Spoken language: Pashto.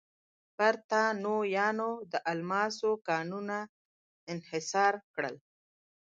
برېټانویانو د الماسو کانونه انحصار کړل.